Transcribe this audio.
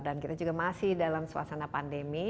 dan kita juga masih dalam suasana pandemi